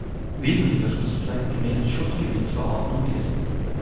Wesentlicher Schutzzweck gemäß Schutzgebietsverordnung ist